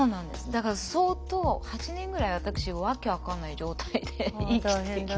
だから相当８年ぐらい私訳分かんない状態で生きてきた。